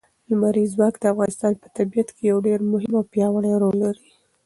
لمریز ځواک د افغانستان په طبیعت کې یو ډېر مهم او پیاوړی رول لري.